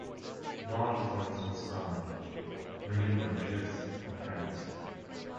Bart returns to his family, bringing them gifts from France.